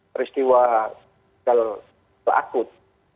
peristiwa kalau terakut